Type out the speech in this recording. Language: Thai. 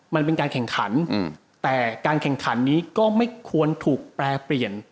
มันเป็นการแข่งขันแต่การแข่งขันนี้ก็ไม่ควรถูกแปรเปลี่ยน